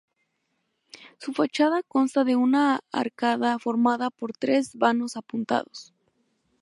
Su fachada consta de una arcada formada por tres vanos apuntados.